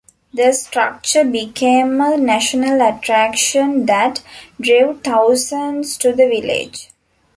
The structure became a national attraction that drew thousands to the Village.